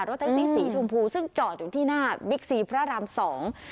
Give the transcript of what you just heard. แท็กซี่สีชมพูซึ่งจอดอยู่ที่หน้าบิ๊กซีพระรามสอง